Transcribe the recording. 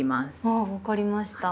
あ分かりました。